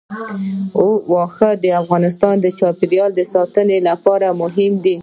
اوښ د افغانستان د چاپیریال ساتنې لپاره مهم دي.